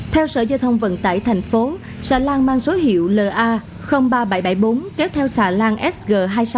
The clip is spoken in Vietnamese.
theo sở giao thông vân tải tp hcm xà lan mang số hiệu la ba nghìn bảy trăm bảy mươi bốn kéo theo xà lan sg hai nghìn sáu trăm một mươi hai